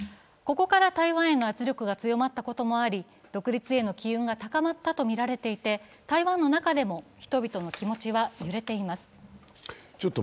ここから台湾への圧力が強まったこともあり、独立への機運が高まったとみられていて台湾の中でも人々の気持ちは揺れています。